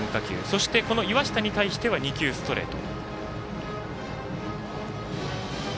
そして、岩下に対しては２球、ストレート。